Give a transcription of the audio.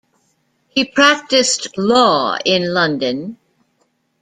He practised law in London.